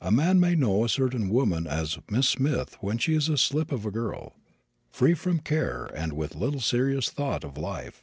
A man may know a certain woman as Miss Smith when she is a slip of a girl, free from care and with little serious thought of life.